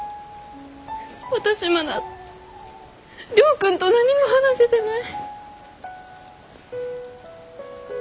私まだ亮君と何も話せてない。